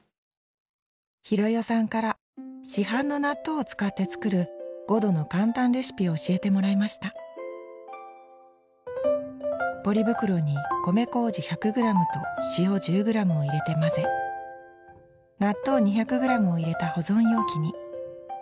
浩代さんから市販の納豆を使って作るごどの簡単レシピを教えてもらいましたポリ袋に米麹１００グラムと塩１０グラムを入れて混ぜ納豆２００グラムを入れた保存容器に。